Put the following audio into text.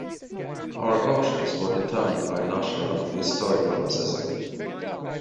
Our actions were determined by national and historical necessity.